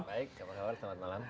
baik apa kabar selamat malam